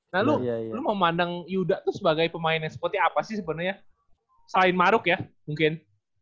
nah lu memandang yuda tuh sebagai pemain yang seperti apa sih sebenarnya selain ⁇ maruk ya mungkin